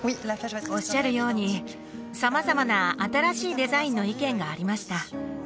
おっしゃるように様々な新しいデザインの意見がありました